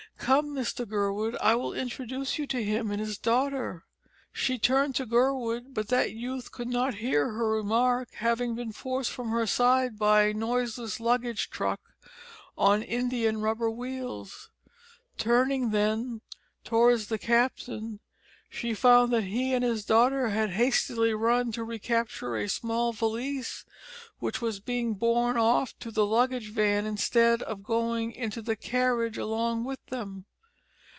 Come, Mr Gurwood, I will introduce you to him and his daughter." She turned to Gurwood, but that youth did not hear her remark, having been forced from her side by a noiseless luggage truck on India rubber wheels. Turning, then, towards the captain she found that he and his daughter had hastily run to recapture a small valise which was being borne off to the luggage van instead of going into the carriage along with them.